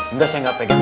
udah saya gak pegang